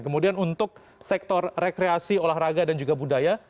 kemudian untuk sektor rekreasi olahraga dan juga budaya